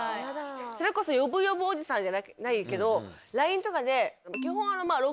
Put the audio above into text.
それこそ呼ぶ呼ぶおじさんじゃないけどＬＩＮＥとかで。